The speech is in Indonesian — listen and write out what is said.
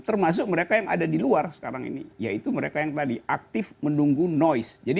termasuk mereka yang ada di luar sekarang ini yaitu mereka yang tadi aktif menunggu noise jadi